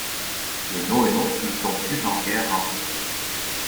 les NoéNautes ne sont plus en guerre entre eux.